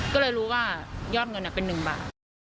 ก็เลยรู้ว่ายอดเงินเป็น๑บาท